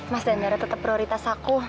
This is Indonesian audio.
mas dandara tetap prioritas aku